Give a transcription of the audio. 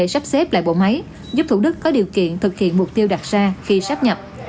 sắp xếp lại bộ máy giúp thủ đức có điều kiện thực hiện mục tiêu đặt ra khi sắp nhập